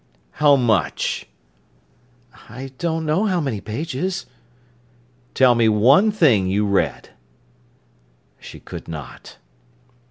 "How much?" "I don't know how many pages." "Tell me one thing you read." She could not.